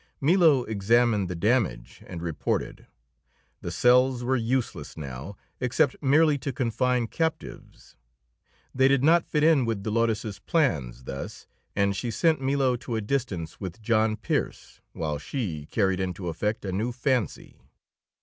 Milo examined the damage, and reported. The cells were useless now, except merely to confine captives. They did not fit in with Dolores's plans thus, and she sent Milo to a distance with John Pearse while she carried into effect a new fancy.